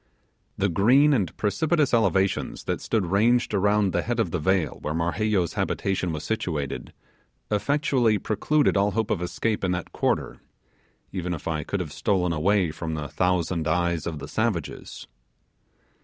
The green and precipitous elevations that stood ranged around the head of the vale where Marheyo's habitation was situated effectually precluded all hope of escape in that quarter, even if I could have stolen away from the thousand eyes of the savages.